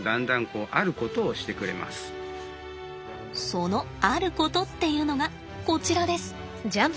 そのあることっていうのがこちらです。